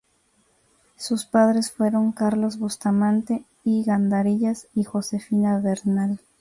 Sus padres fueron Carlos Bustamante y Gandarillas y Josefina Vernal.